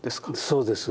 そうです。